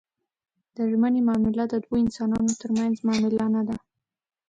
د ژمنې معامله د دوو انسانانو ترمنځ معامله نه ده.